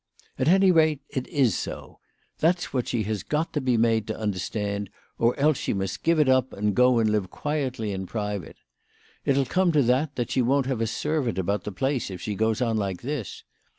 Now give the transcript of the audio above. " At any rate it is so. That's what she has got to be made to understand, or else she must give it up and go and live quietly in private. It'll come to that, that she won't have a servant about the place if she goes on like this.